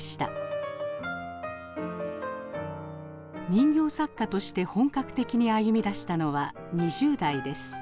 人形作家として本格的に歩みだしたのは２０代です。